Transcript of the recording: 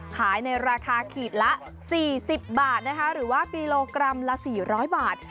ขายในราคาขีดละ๔๐บาทนะคะหรือว่ากิโลกรัมละ๔๐๐บาท